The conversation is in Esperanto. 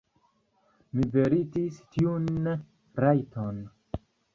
Vi meritis tiun rajton.